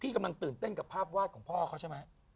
ของพ่อเขาใช่ไหม